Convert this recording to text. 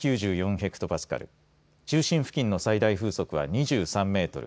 ヘクトパスカル中心付近の最大風速は２３メートル